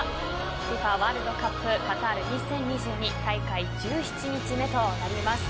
ＦＩＦＡワールドカップカタール２０２２大会１７日目となります。